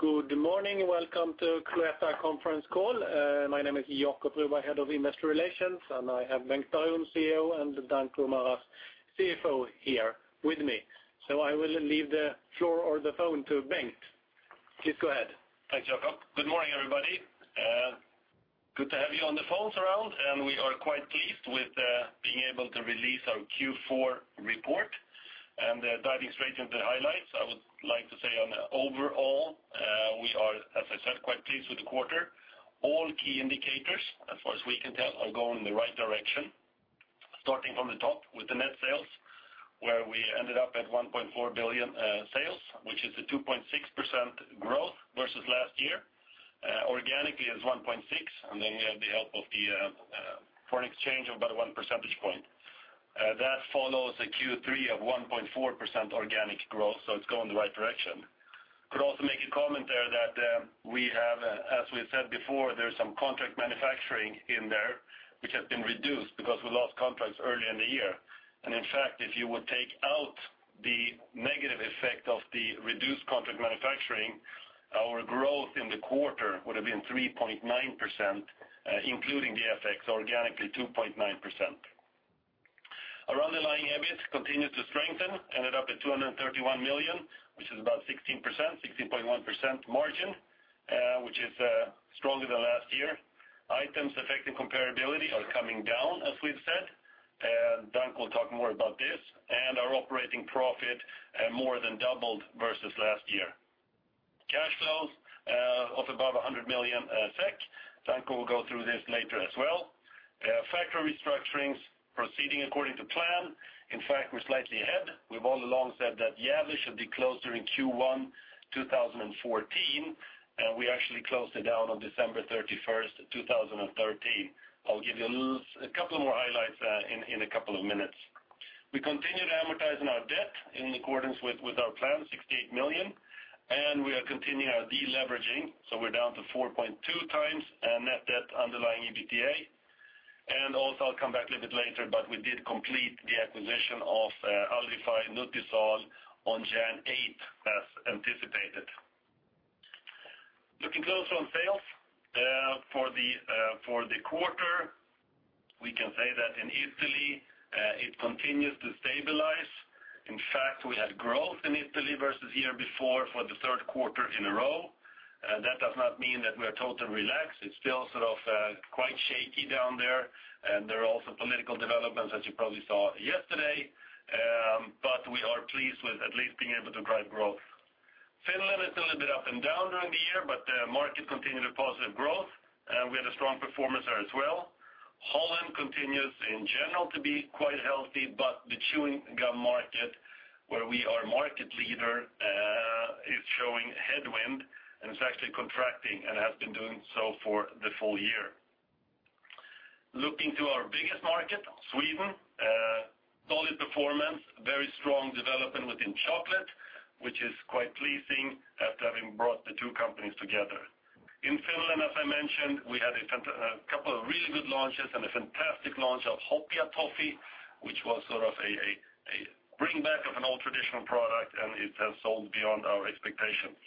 Good morning and welcome to Cloetta Conference Call. My name is Jacob Broberg, head of investor relations, and I have Bengt Baron, CEO, and Danko Maras, CFO, here with me. So I will leave the floor or the phone to Bengt. Please go ahead. Thanks, Jacob. Good morning, everybody. Good to have you on the phones around, and we are quite pleased with being able to release our Q4 report. Diving straight into the highlights, I would like to say overall, we are, as I said, quite pleased with the quarter. All key indicators, as far as we can tell, are going in the right direction, starting from the top with the net sales, where we ended up at 1.4 billion sales, which is a 2.6% growth versus last year. Organically is 1.6%, and then we have the help of the foreign exchange of about 1 percentage point. That follows a Q3 of 1.4% organic growth, so it's going in the right direction. Could also make a comment there that, we have, as we said before, there's some contract manufacturing in there which has been reduced because we lost contracts early in the year. And in fact, if you would take out the negative effect of the reduced contract manufacturing, our growth in the quarter would have been 3.9%, including the FX, organically 2.9%. Our underlying EBIT continues to strengthen, ended up at 231 million, which is about 16%, 16.1% margin, which is, stronger than last year. Items affecting comparability are coming down, as we've said. Danko will talk more about this. And our operating profit, more than doubled versus last year. Cash flows of above 100 million SEK. Danko will go through this later as well. Factory restructurings proceeding according to plan. In fact, we're slightly ahead. We've all along said that Gävle should be closed during Q1 2014, and we actually closed it down on December 31st, 2013. I'll give you a couple of more highlights in a couple of minutes. We continue to amortize our debt in accordance with our plan, 68 million, and we are continuing our deleveraging, so we're down to 4.2x net debt to underlying EBITDA. Also, I'll come back to it a bit later, but we did complete the acquisition of Alrifai Nutisal on January 8, as anticipated. Looking closer on sales for the quarter, we can say that in Italy, it continues to stabilize. In fact, we had growth in Italy versus the year before for the third quarter in a row. That does not mean that we are totally relaxed. It's still sort of quite shaky down there, and there are also political developments, as you probably saw yesterday. But we are pleased with at least being able to drive growth. Finland is a little bit up and down during the year, but the market continued a positive growth, and we had a strong performance there as well. Holland continues, in general, to be quite healthy, but the chewing gum market, where we are market leader, is showing headwind, and it's actually contracting and has been doing so for the full year. Looking to our biggest market, Sweden, solid performance, very strong development within chocolate, which is quite pleasing after having brought the two companies together. In Finland, as I mentioned, we had a few a couple of really good launches and a fantastic launch of Hopea Toffee, which was sort of a bring back of an old traditional product, and it has sold beyond our expectations.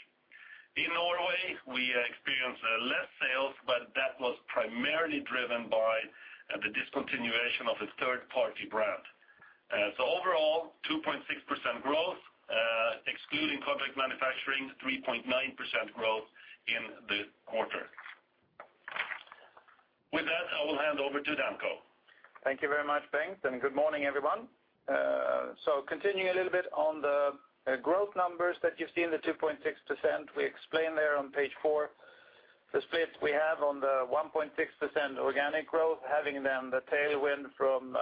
In Norway, we experienced less sales, but that was primarily driven by the discontinuation of a third-party brand. Overall, 2.6% growth, excluding contract manufacturing, 3.9% growth in the quarter. With that, I will hand over to Danko. Thank you very much, Bengt, and good morning, everyone. So continuing a little bit on the growth numbers that you've seen, the 2.6%, we explained there on page 4. The split we have on the 1.6% organic growth, having then the tailwind from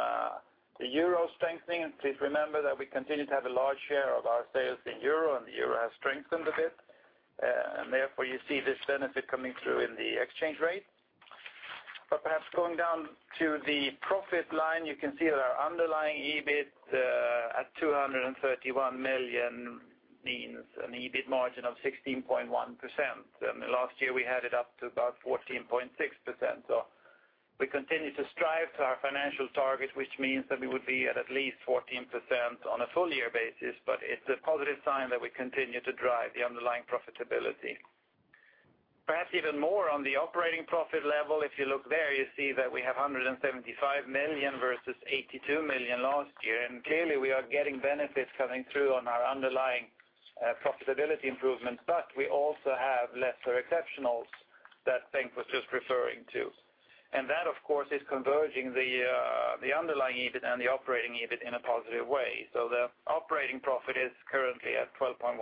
the euro strengthening. Please remember that we continue to have a large share of our sales in euro, and the euro has strengthened a bit. And therefore, you see this benefit coming through in the exchange rate. But perhaps going down to the profit line, you can see that our underlying EBIT at 231 million means an EBIT margin of 16.1%. And last year, we had it up to about 14.6%. So we continue to strive to our financial target, which means that we would be at least 14% on a full-year basis, but it's a positive sign that we continue to drive the underlying profitability. Perhaps even more on the operating profit level, if you look there, you see that we have 175 million versus 82 million last year. And clearly, we are getting benefits coming through on our underlying profitability improvements, but we also have lesser exceptionals that Bengt was just referring to. And that, of course, is converging the underlying EBIT and the operating EBIT in a positive way. So the operating profit is currently at 12.1%.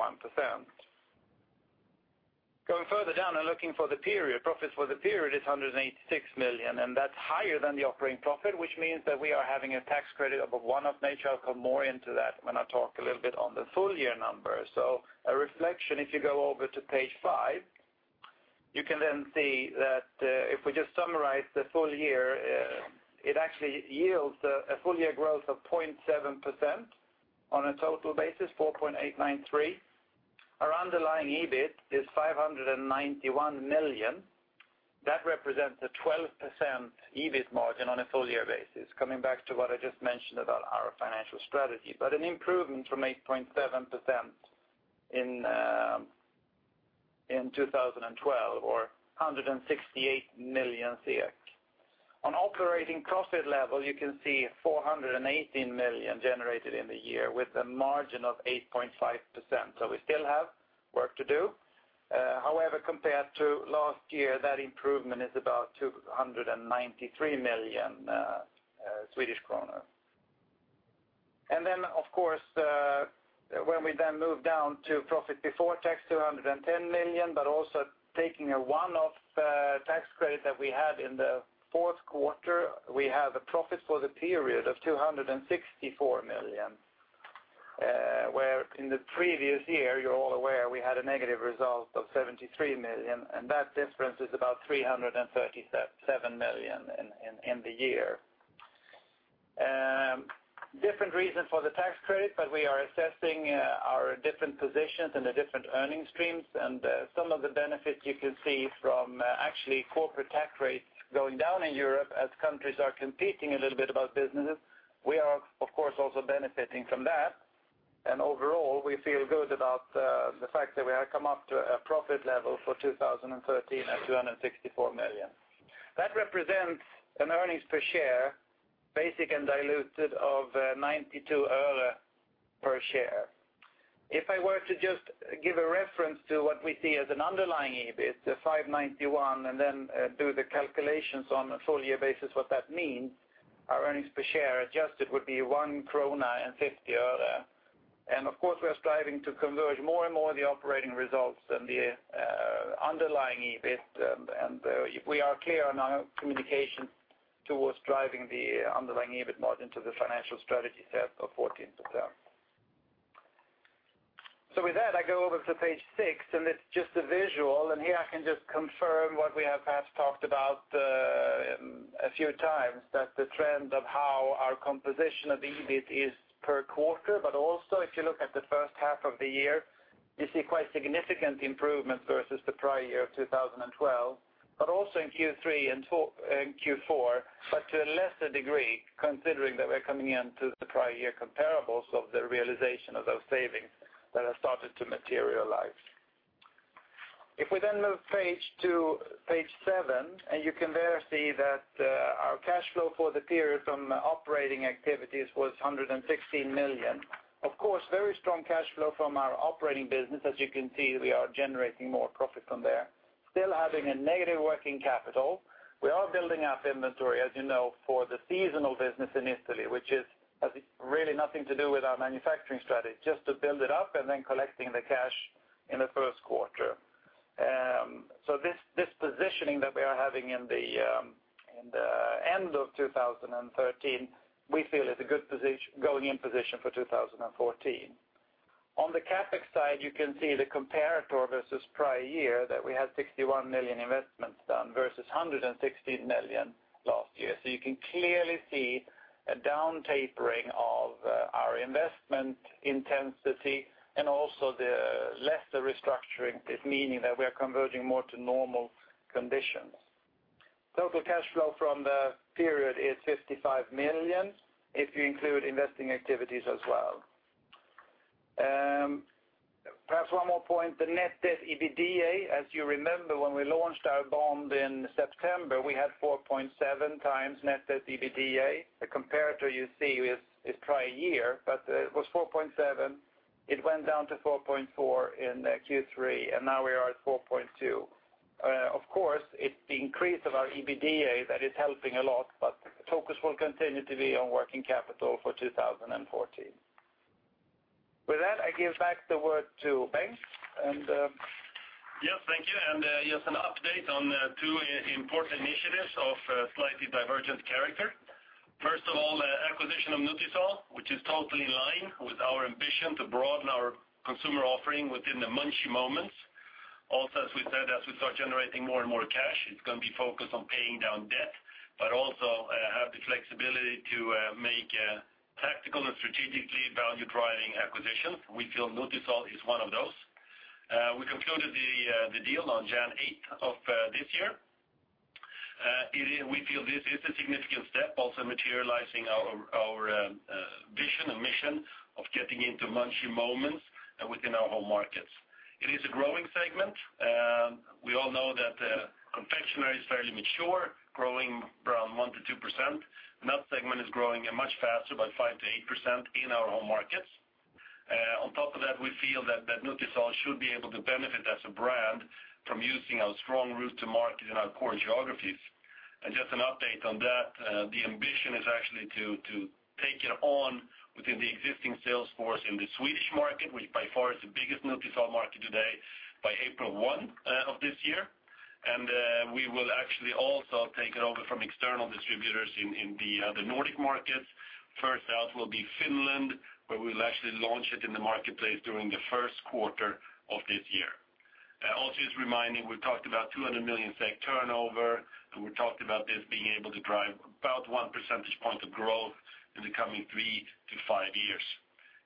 Going further down and looking at the period, profits for the period is 186 million, and that's higher than the operating profit, which means that we are having a tax credit above one-off nature. I'll come more into that when I talk a little bit on the full-year numbers. So a reflection, if you go over to page five, you can then see that, if we just summarize the full year, it actually yields a full-year growth of 0.7% on a total basis, 4.893. Our underlying EBIT is 591 million. That represents a 12% EBIT margin on a full-year basis, coming back to what I just mentioned about our financial strategy, but an improvement from 8.7% in 2012, or 168 million SEK. On operating profit level, you can see 418 million generated in the year with a margin of 8.5%. So we still have work to do. However, compared to last year, that improvement is about 293 million Swedish kronor. Of course, when we move down to profit before tax, 210 million, but also taking a one-off tax credit that we had in the fourth quarter, we have a profit for the period of 264 million, where in the previous year, you're all aware, we had a negative result of 73 million, and that difference is about 337 million in the year. Different reason for the tax credit, but we are assessing our different positions and the different earning streams. Some of the benefits you can see from actually corporate tax rates going down in Europe as countries are competing a little bit about businesses, we are, of course, also benefiting from that. Overall, we feel good about the fact that we have come up to a profit level for 2013 at 264 million. That represents an earnings per share, basic and diluted, of SEK 0.92 per share. If I were to just give a reference to what we see as an underlying EBIT, the 591, and then do the calculations on a full-year basis what that means, our earnings per share adjusted would be SEK 1.50. And of course, we are striving to converge more and more the operating results and the underlying EBIT, and we are clear on our communications towards driving the underlying EBIT margin to the financial strategy set of 14%. So with that, I go over to page 6, and it's just a visual. Here I can just confirm what we have perhaps talked about a few times, that the trend of how our composition of the EBIT is per quarter, but also if you look at the first half of the year, you see quite significant improvements versus the prior year of 2012, but also in Q3 and Q4, but to a lesser degree considering that we're coming into the prior year comparables of the realization of those savings that have started to materialize. If we then move page to page seven, and you can there see that our cash flow for the period from operating activities was 116 million. Of course, very strong cash flow from our operating business. As you can see, we are generating more profit from there, still having a negative working capital. We are building up inventory, as you know, for the seasonal business in Italy, which has really nothing to do with our manufacturing strategy, just to build it up and then collecting the cash in the first quarter. So this, this positioning that we are having in the, in the end of 2013, we feel is a good position, going in position for 2014. On the CapEx side, you can see the comparator versus prior year that we had 61 million investments done versus 116 million last year. So you can clearly see a down tapering of, our investment intensity and also the lesser restructuring, meaning that we are converging more to normal conditions. Total cash flow from the period is 55 million if you include investing activities as well. Perhaps one more point, the net debt EBITDA, as you remember when we launched our bond in September, we had 4.7 times net debt EBITDA. The comparator you see is prior year, but it was 4.7. It went down to 4.4 in Q3, and now we are at 4.2. Of course, it's the increase of our EBITDA that is helping a lot, but focus will continue to be on working capital for 2014. With that, I give back the word to Bengt and, Yes, thank you. Yes, an update on two important initiatives of slightly divergent character. First of all, acquisition of Nutisal, which is totally in line with our ambition to broaden our consumer offering within the Munchy moments. Also, as we said, as we start generating more and more cash, it's going to be focused on paying down debt, but also have the flexibility to make tactical and strategically value-driving acquisitions. We feel Nutisal is one of those. We concluded the deal on January 8 of this year. We feel this is a significant step, also materializing our vision and mission of getting into Munchy moments within our home markets. It is a growing segment. We all know that confectionery is fairly mature, growing around 1%-2%. Nut segment is growing much faster by 5%-8% in our home markets. On top of that, we feel that Nutisal should be able to benefit as a brand from using our strong route to market in our core geographies. And just an update on that, the ambition is actually to take it on within the existing sales force in the Swedish market, which by far is the biggest Nutisal market today, by April 1 of this year. And we will actually also take it over from external distributors in the Nordic markets. First out will be Finland, where we will actually launch it in the marketplace during the first quarter of this year. Also just reminding, we've talked about 200 million SEK turnover, and we've talked about this being able to drive about one percentage point of growth in the coming three to five years.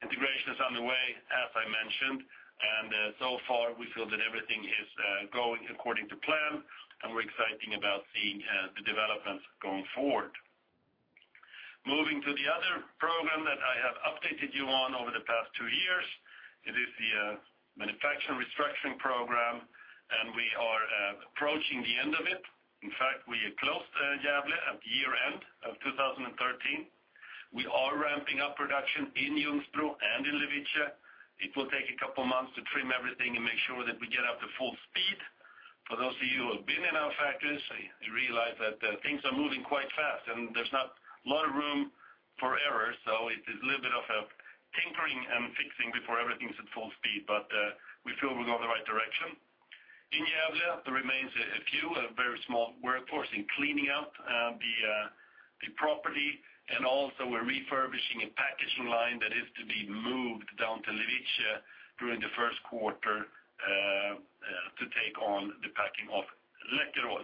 Integration is underway, as I mentioned, and, so far, we feel that everything is, going according to plan, and we're excited about seeing, the developments going forward. Moving to the other program that I have updated you on over the past two years, it is the, manufacturing restructuring program, and we are, approaching the end of it. In fact, we closed, Gävle at the year-end of 2013. We are ramping up production in Ljungsbro and in Levice. It will take a couple of months to trim everything and make sure that we get up to full speed. For those of you who have been in our factories, you realize that, things are moving quite fast, and there's not a lot of room for error. So it is a little bit of a tinkering and fixing before everything's at full speed, but, we feel we're going the right direction. In Gävle, there remains a very small workforce in cleaning out the property, and also we're refurbishing a packaging line that is to be moved down to Levice during the first quarter, to take on the packing of Läkerol.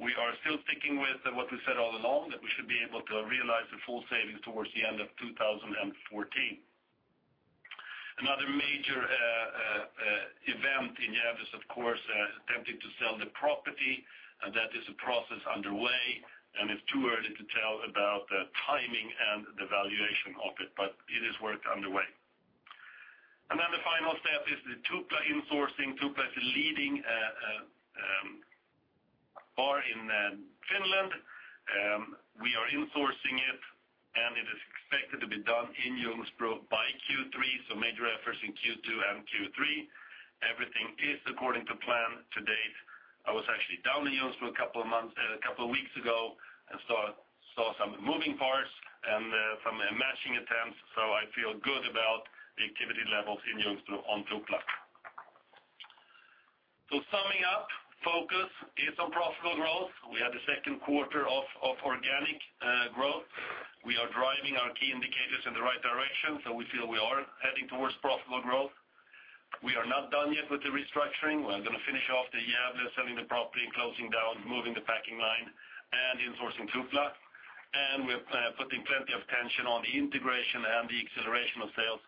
We are still sticking with what we said all along, that we should be able to realize the full savings towards the end of 2014. Another major event in Gävle is, of course, attempting to sell the property, and that is a process underway, and it's too early to tell about the timing and the valuation of it, but it is work underway. Then the final step is the Tupla insourcing. Tupla is a leading bar in Finland. We are insourcing it, and it is expected to be done in Ljungsbro by Q3, so major efforts in Q2 and Q3. Everything is according to plan to date. I was actually down in Ljungsbro a couple of months, a couple of weeks ago and saw some moving parts and some matching attempts. So I feel good about the activity levels in Ljungsbro on Tupla. So summing up, focus is on profitable growth. We had the second quarter of organic growth. We are driving our key indicators in the right direction, so we feel we are heading towards profitable growth. We are not done yet with the restructuring. We are going to finish off the Gävle, selling the property, and closing down, moving the packing line, and insourcing Tupla. And we're putting plenty of tension on the integration and the acceleration of sales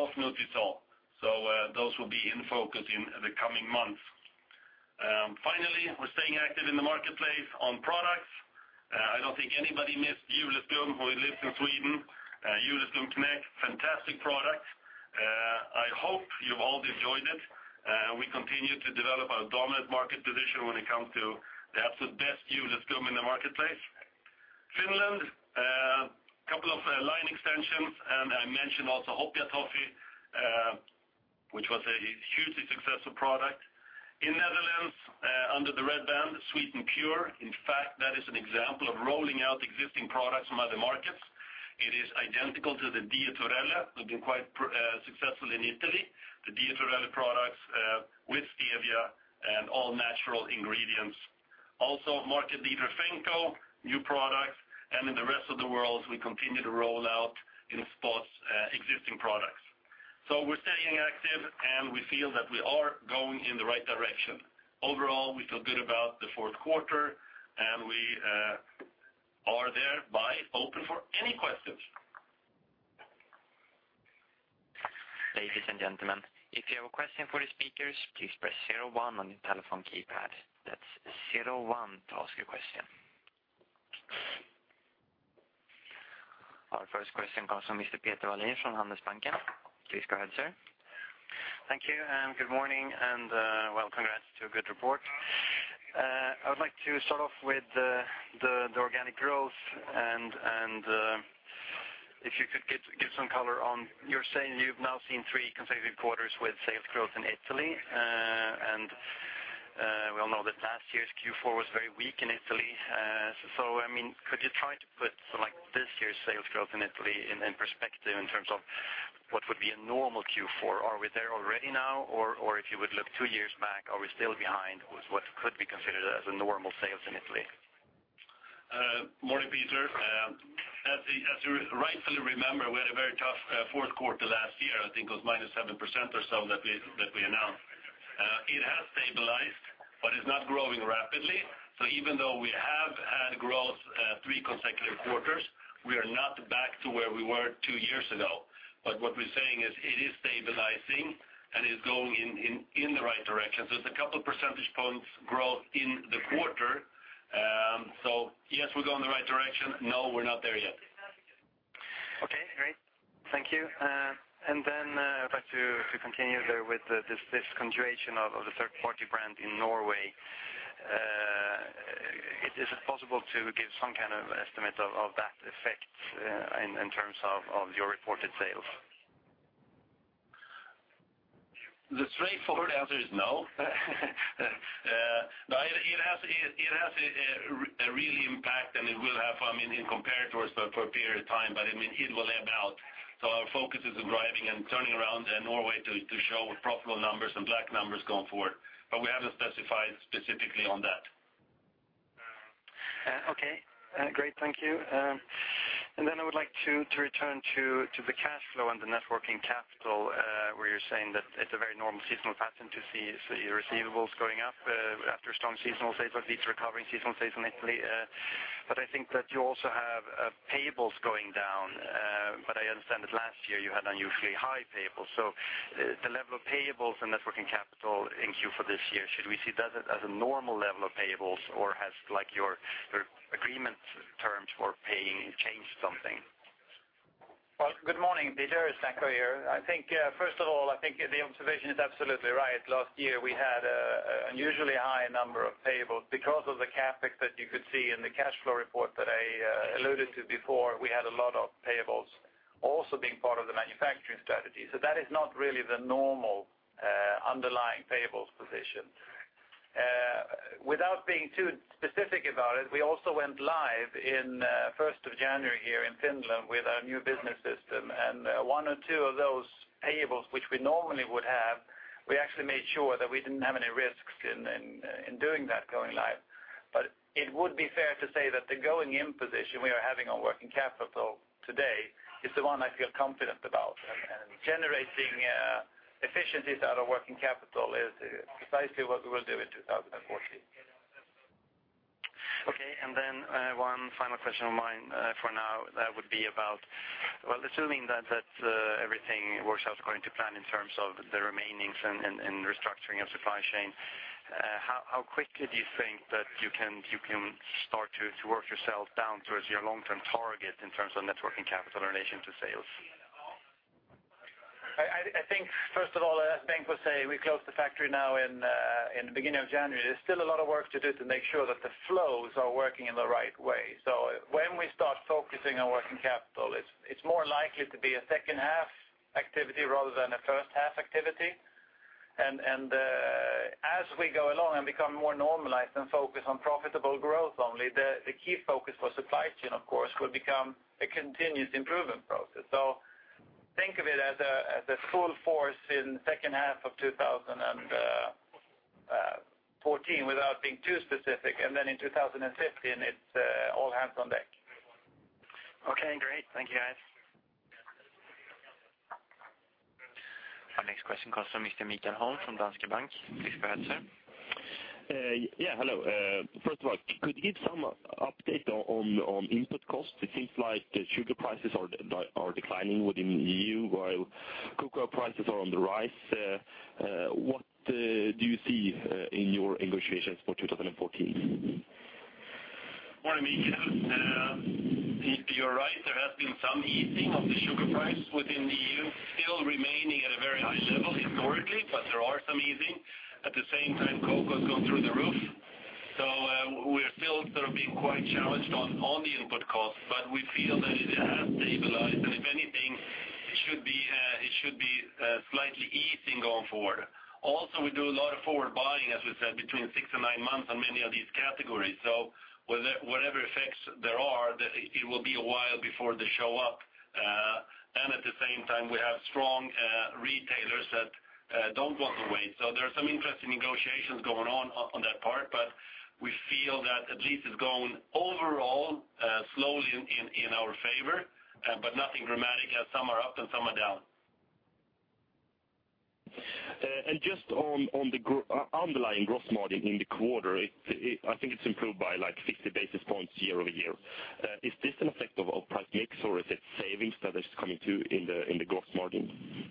of Nutisal. So, those will be in focus in the coming months. Finally, we're staying active in the marketplace on products. I don't think anybody missed Juleskum who lives in Sweden. Juleskum Knäck, fantastic product. I hope you've all enjoyed it. We continue to develop our dominant market position when it comes to the absolute best Juleskum in the marketplace. Finland, a couple of line extensions, and I mentioned also Hopea Toffee, which was a hugely successful product. In the Netherlands, under the Red Band, Sweet'n Pure. In fact, that is an example of rolling out existing products from other markets. It is identical to the Dietorelle. We've been quite successful in Italy, the Dietorelle products, with stevia and all natural ingredients. Also, Dietor, new products. And in the rest of the world, we continue to roll out in spots, existing products. So we're staying active, and we feel that we are going in the right direction. Overall, we feel good about the fourth quarter, and we are thereby open for any questions. Ladies and gentlemen, if you have a question for the speakers, please press 01 on your telephone keypad. That's 01 to ask a question. Our first question comes from Mr. Peter Wallin from Handelsbanken. Please go ahead, sir. Thank you, and good morning, and well, congrats to a good report. I would like to start off with the organic growth and if you could get some color on you're saying you've now seen three consecutive quarters with sales growth in Italy, and we all know that last year's Q4 was very weak in Italy. So, I mean, could you try to put, like, this year's sales growth in Italy in perspective in terms of what would be a normal Q4? Are we there already now, or if you would look two years back, are we still behind with what could be considered as a normal sales in Italy? Morning, Peter. As you as you rightfully remember, we had a very tough fourth quarter last year. I think it was -7% or so that we that we announced. It has stabilized, but it's not growing rapidly. So even though we have had growth three consecutive quarters, we are not back to where we were two years ago. But what we're saying is it is stabilizing and is going in, in, in the right direction. So it's a couple of percentage points growth in the quarter. So yes, we're going the right direction. No, we're not there yet. Okay, great. Thank you. And then, I'd like to continue there with this conjugation of the third-party brand in Norway. Is it possible to give some kind of estimate of that effect, in terms of your reported sales? The straightforward answer is no. No, it has a real impact, and it will have, I mean, in comparators for a period of time, but I mean, it will ebb out. So our focus is on driving and turning around Norway to show profitable numbers and black numbers going forward, but we haven't specified specifically on that. Okay. Great. Thank you. Then I would like to return to the cash flow and the net working capital, where you're saying that it's a very normal seasonal pattern to see receivables going up after strong seasonal sales like these recovering seasonal sales in Italy. But I think that you also have payables going down, but I understand that last year you had unusually high payables. So, the level of payables and net working capital in Q4 this year, should we see that as a normal level of payables, or has, like, your agreement terms for paying changed something? Well, good morning, Peter. Is that clear? I think, first of all, I think the observation is absolutely right. Last year, we had an unusually high number of payables. Because of the CapEx that you could see in the cash flow report that I alluded to before, we had a lot of payables also being part of the manufacturing strategy. So that is not really the normal, underlying payables position. Without being too specific about it, we also went live on first of January here in Finland with our new business system, and one or two of those payables which we normally would have, we actually made sure that we didn't have any risks in doing that going live. But it would be fair to say that the going-in position we are having on working capital today is the one I feel confident about, and generating efficiencies out of working capital is precisely what we will do in 2014. Okay. And then, one final question of mine, for now, would be about, well, assuming that everything works out according to plan in terms of the remaining and restructuring of supply chain, how quickly do you think that you can start to work yourself down towards your long-term target in terms of net working capital in relation to sales? I think first of all, as Bengt was saying, we closed the factory now in the beginning of January. There's still a lot of work to do to make sure that the flows are working in the right way. So when we start focusing on working capital, it's more likely to be a second-half activity rather than a first-half activity. And as we go along and become more normalized and focus on profitable growth only, the key focus for supply chain, of course, will become a continuous improvement process. So think of it as a full force in second-half of 2014 without being too specific, and then in 2015, it's all hands on deck. Okay, great. Thank you, guys. Our next question comes from Mr. Mikael Holm from Danske Bank. Please go ahead, sir. Yeah, hello. First of all, could you give some update on input costs? It seems like the sugar prices are declining within the EU while cocoa prices are on the rise. What do you see in your negotiations for 2014? Morning, Mikael. If you're right, there has been some easing of the sugar price within the EU, still remaining at a very high level historically, but there are some easing. At the same time, cocoa's gone through the roof. So, we are still sort of being quite challenged on the input costs, but we feel that it has stabilized, and if anything, it should be slightly easing going forward. Also, we do a lot of forward buying, as we said, between six and nine months on many of these categories. So whatever effects there are, it will be a while before they show up. And at the same time, we have strong retailers that don't want to wait. There are some interesting negotiations going on on that part, but we feel that at least it's going overall slowly in our favor, but nothing dramatic as some are up and some are down. And just on the underlying gross margin in the quarter, it I think it's improved by, like, 50 basis points year-over-year. Is this an effect of price mix, or is it savings that is coming through in the gross margin?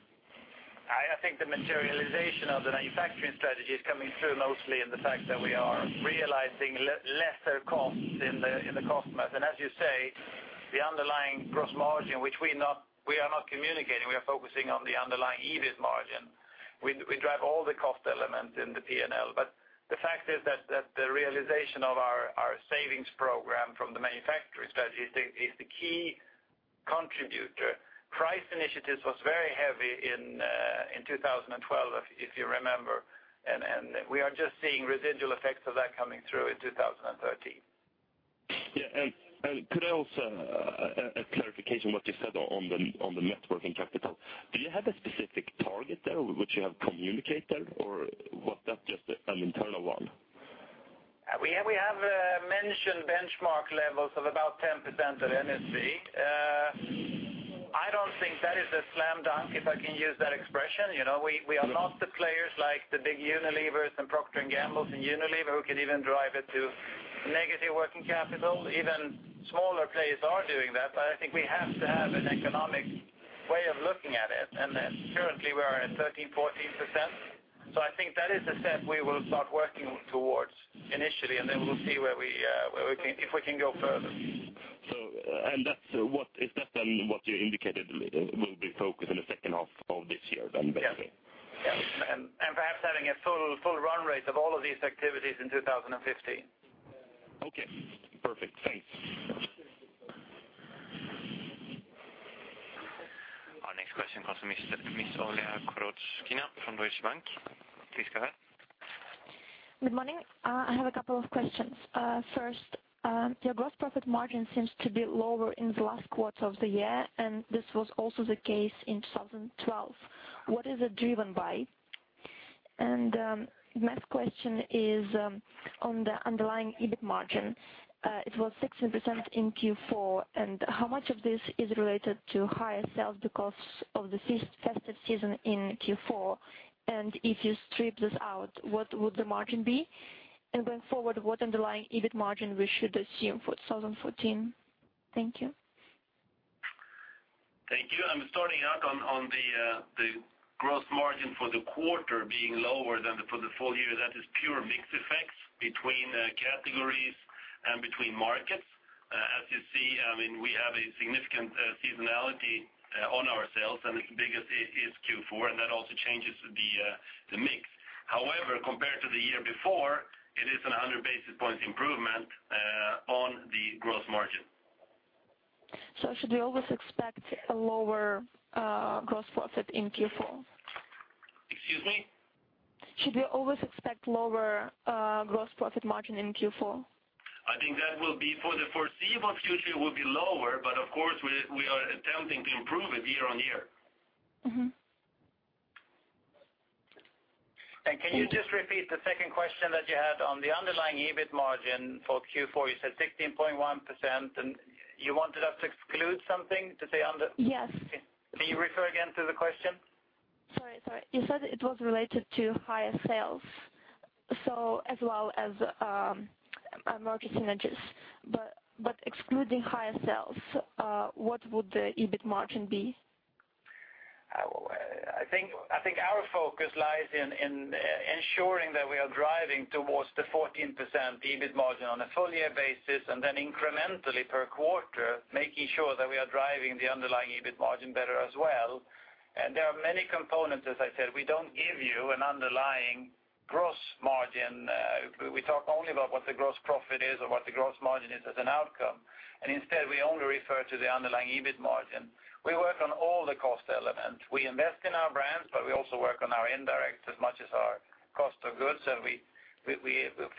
I think the materialization of the manufacturing strategy is coming through mostly in the fact that we are realizing lesser costs in the cost method. And as you say, the underlying gross margin, which we're not communicating. We are focusing on the underlying EBIT margin. We drive all the cost elements in the P&L, but the fact is that the realization of our savings program from the manufacturing strategy is the key contributor. Price initiatives was very heavy in 2012, if you remember, and we are just seeing residual effects of that coming through in 2013. Yeah. And could I also have a clarification on what you said on the working capital? Do you have a specific target there which you have communicated, or is that just an internal one? We have mentioned benchmark levels of about 10% of NSV. I don't think that is a slam dunk if I can use that expression. You know, we are not the players like the big Unilevers and Procter & Gambles and Unilever who can even drive it to negative working capital. Even smaller players are doing that, but I think we have to have an economic way of looking at it, and currently, we are at 13%-14%. So I think that is a step we will start working towards initially, and then we'll see where we can if we can go further. That's what is that then what you indicated will be focus in the second half of this year then, basically? Yeah. Yeah. And perhaps having a full run rate of all of these activities in 2015. Okay. Perfect. Thanks. Our next question comes from Ms. Olya Krotchkina from Deutsche Bank. Please go ahead. Good morning. I have a couple of questions. First, your gross profit margin seems to be lower in the last quarter of the year, and this was also the case in 2012. What is it driven by? And my question is on the underlying EBIT margin. It was 16% in Q4, and how much of this is related to higher sales because of the festive season in Q4? And if you strip this out, what would the margin be? And going forward, what underlying EBIT margin we should assume for 2014? Thank you. Thank you. I'm starting out on the gross margin for the quarter being lower than the for the full year. That is pure mix effects between categories and between markets. As you see, I mean, we have a significant seasonality on our sales, and it's biggest in Q4, and that also changes the mix. However, compared to the year before, it is a 100 basis points improvement on the gross margin. Should we always expect a lower gross profit in Q4? Excuse me? Should we always expect lower gross profit margin in Q4? I think that will be for the foreseeable future. It will be lower, but of course, we are attempting to improve it year on year. Mm-hmm. Can you just repeat the second question that you had on the underlying EBIT margin for Q4? You said 16.1%, and you wanted us to exclude something to say under? Yes. Can you refer again to the question? Sorry, sorry. You said it was related to higher sales, so as well as emerging synergies. But excluding higher sales, what would the EBIT margin be? Well, I think our focus lies in ensuring that we are driving towards the 14% EBIT margin on a full-year basis and then incrementally per quarter, making sure that we are driving the underlying EBIT margin better as well. There are many components, as I said. We don't give you an underlying gross margin. We talk only about what the gross profit is or what the gross margin is as an outcome, and instead, we only refer to the underlying EBIT margin. We work on all the cost elements. We invest in our brands, but we also work on our indirects as much as our cost of goods, and we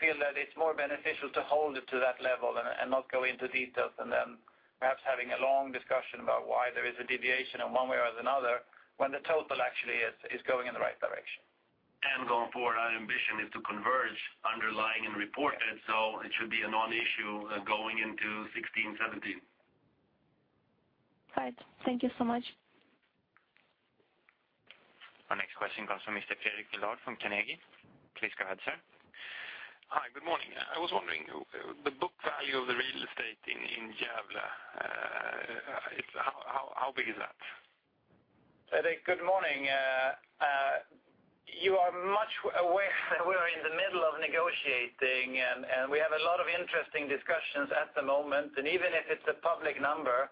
feel that it's more beneficial to hold it to that level and not go into details and then perhaps having a long discussion about why there is a deviation in one way or the other when the total actually is going in the right direction. Going forward, our ambition is to converge underlying and reported, so it should be a non-issue, going into 2016, 2017. All right. Thank you so much. Our next question comes from Mr. Fredrik Villard from Carnegie. Please go ahead, sir. Hi. Good morning. I was wondering, the book value of the real estate in Gävle, it's how big is that? Good morning. You're muted. We are in the middle of negotiating, and we have a lot of interesting discussions at the moment. And even if it's a public number,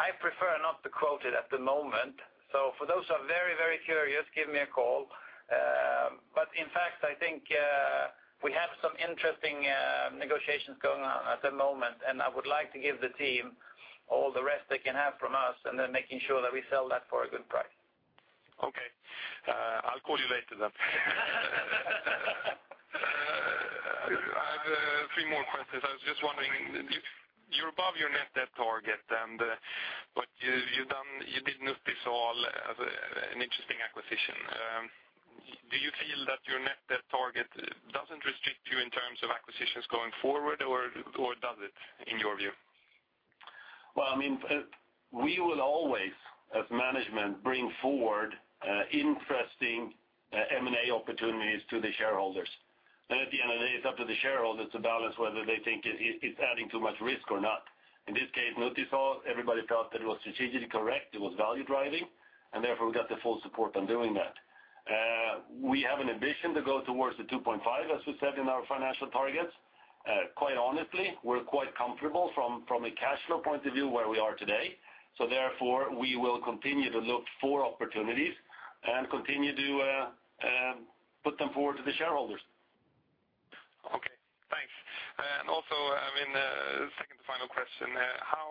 I prefer not to quote it at the moment. So for those who are very, very curious, give me a call. But in fact, I think we have some interesting negotiations going on at the moment, and I would like to give the team all the rest they can have from us and then making sure that we sell that for a good price. Okay. I'll call you later then. I have three more questions. I was just wondering, you're above your net debt target, but you've done a notable, an interesting acquisition. Do you feel that your net debt target doesn't restrict you in terms of acquisitions going forward, or does it in your view? Well, I mean, we will always, as management, bring forward interesting M&A opportunities to the shareholders. And at the end of the day, it's up to the shareholders to balance whether they think it's adding too much risk or not. In this case, notice all, everybody felt that it was strategically correct. It was value driving, and therefore, we got the full support on doing that. We have an ambition to go towards the 2.5, as we said in our financial targets. Quite honestly, we're quite comfortable from a cash flow point of view where we are today, so therefore, we will continue to look for opportunities and continue to put them forward to the shareholders. Okay. Thanks. And also, I mean, second to final question, how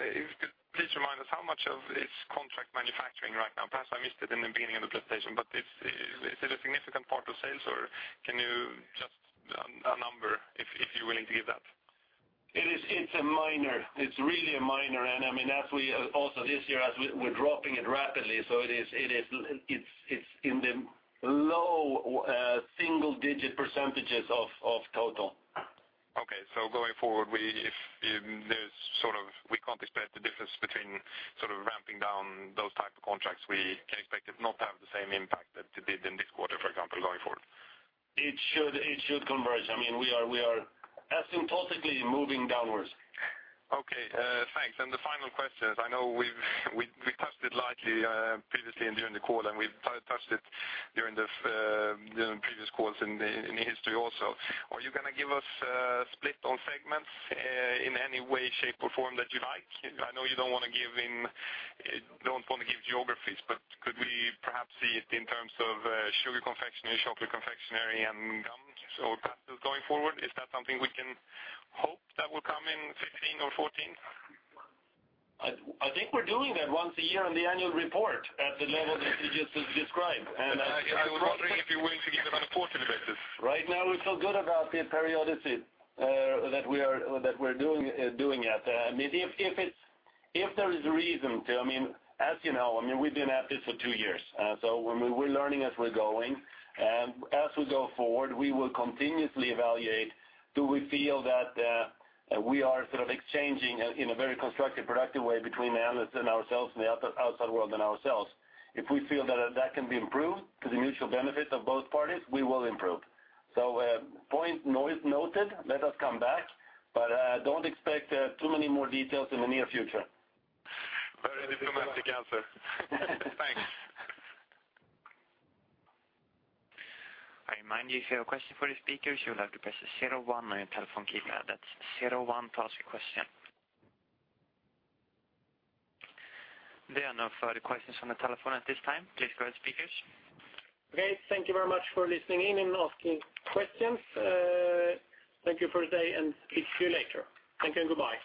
if could please remind us how much of is contract manufacturing right now? Perhaps I missed it in the beginning of the presentation, but is it a significant part of sales, or can you just a number if you're willing to give that? It's a minor. It's really a minor, and I mean, as we also this year, as we're dropping it rapidly, so it's in the low single-digit % of total. Okay. So going forward, if there's sort of, we can't expect the difference between sort of ramping down those type of contracts. We can expect it not to have the same impact that it did in this quarter, for example, going forward? It should converge. I mean, we are asymptotically moving downwards. Okay. Thanks. And the final questions. I know we've touched it lightly, previously and during the call, and we've touched it during previous calls in history also. Are you gonna give us a split on segments, in any way, shape, or form that you like? I know you don't wanna give geographies, but could we perhaps see it in terms of sugar confectionery, chocolate confectionery, and gums, or pasta going forward? Is that something we can hope that will come in 2015 or 2014? I think we're doing that once a year in the annual report at the level that you just described, and we're not. I was wondering if you're willing to give it on a quarterly basis. Right now, we feel good about the periodicity that we're doing it. I mean, if there is reason to, I mean, as you know, I mean, we've been at this for two years, so I mean, we're learning as we're going. As we go forward, we will continuously evaluate, do we feel that we are sort of exchanging in a very constructive, productive way between analysts and ourselves and the outside world and ourselves. If we feel that that can be improved to the mutual benefit of both parties, we will improve. So, point noted. Let us come back, but don't expect too many more details in the near future. Very diplomatic answer. Thanks. I remind you, if you have a question for the speakers, you will have to press 01 on your telephone keypad. That's 01 to ask a question. There are no further questions on the telephone at this time. Please go ahead, speakers. Great. Thank you very much for listening in and asking questions. Thank you for today, and speak to you later. Thank you, and goodbye.